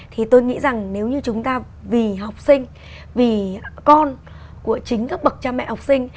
thì tôi nghĩ rằng nếu như chúng ta vì học sinh vì con của chính các bậc cha mẹ học sinh